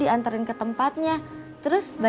ia harus jadi p utter s hour